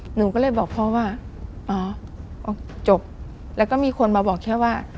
หนูก็เลยบอกพ่อว่าอ๋อจบแล้วก็มีคนมาบอกแค่ว่า